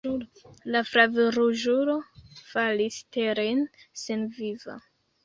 La flavruĝulo falis teren senviva.